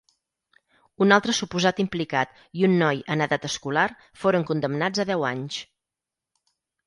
Un altre suposat implicat i un noi en edat escolar foren condemnats a deu anys.